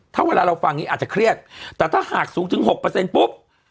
ถ้าเวลาเราฟังนี้อาจจะเครียดแต่ถ้าหากสูงถึง๖ปุ๊บ